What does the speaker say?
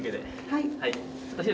はい。